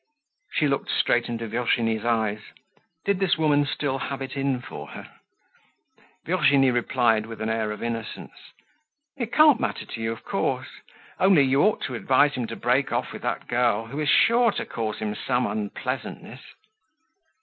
She looked straight into Virginie's eyes. Did this woman still have it in for her? Virginie replied with an air of innocence: "It can't matter to you, of course. Only, you ought to advise him to break off with that girl, who is sure to cause him some unpleasantness."